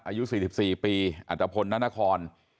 อายุ๔๔ปีอัตภพลนานคร